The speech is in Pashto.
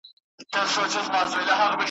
لکه دوې وني چي وباسي ښاخونه ,